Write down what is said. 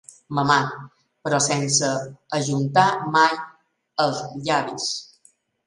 Mamat, però sense ajuntar mai els llavis.